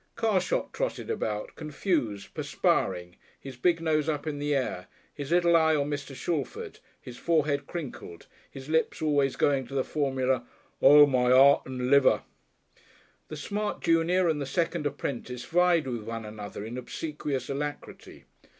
Carshot trotted about, confused, perspiring, his big nose up in the air, his little eye on Mr. Shalford, his forehead crinkled, his lips always going to the formula "Oh, my heart and lungs!" The smart junior and the second apprentice vied with one another in obsequious alacrity.